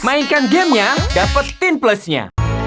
mainkan gamenya dapetin plusnya